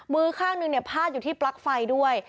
มือข้างหนึ่งเนี่ยพาดอยู่ที่ปลั๊กไฟด้วย